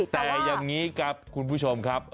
แต่อย่างนี้ครับคุณผู้ชมครับ